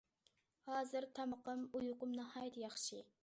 ھازىر تامىقىم، ئۇيقۇم ناھايىتى ياخشى.